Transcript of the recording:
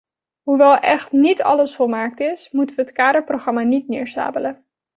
Hoewel echt niet alles volmaakt is, moeten we het kaderprogramma niet neersabelen.